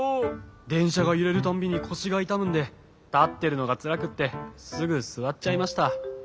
でんしゃがゆれるたんびにこしがいたむんでたってるのがつらくってすぐすわっちゃいました。